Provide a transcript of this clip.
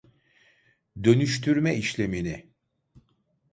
Dönüştürme işlemini